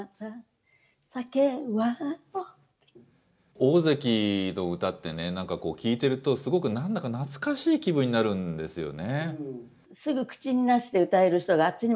大関の歌ってね、なんか聴いてると、すごくなんだか懐かしい気分になるんですよね。